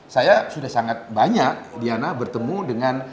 saya sudah sangat banyak diana bertemu dengan